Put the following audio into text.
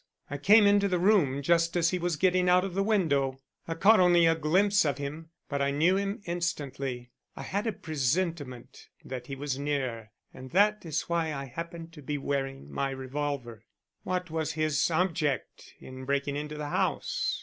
I came into the room just as he was getting out of the window. I caught only a glimpse of him but I knew him instantly. I had a presentiment that he was near and that is why I happened to be wearing my revolver." "What was his object in breaking into the house?"